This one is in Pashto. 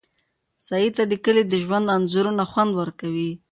سعید ته د کلي د ژوند انځورونه خوند ورکوي.